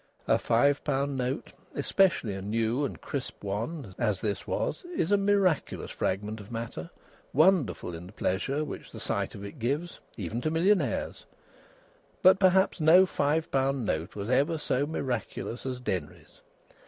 A five pound note especially a new and crisp one, as this was is a miraculous fragment of matter, wonderful in the pleasure which the sight of it gives, even to millionaires; but perhaps no five pound note was ever so miraculous as Denry's.